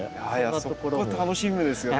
そこ楽しみですよね。